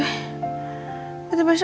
tapi kok gak ada orang ya